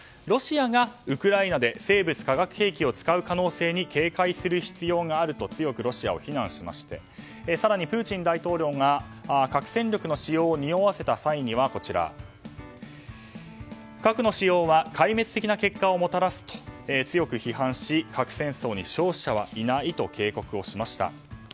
ロシアがウクライナで生物・化学兵器を使う可能性に警戒する必要があると強くロシアを非難しまして更にプーチン大統領が核戦力の使用をにおわせた際には、核の使用は壊滅的な結果をもたらすと強く批判し核戦争に勝者はいないと警告をしました。